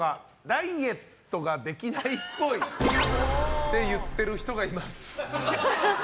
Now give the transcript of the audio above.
ダイエットができないっぽい。って言ってる人がいます。